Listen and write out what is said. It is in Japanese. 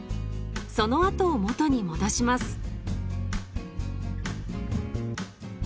そのあと元に戻します。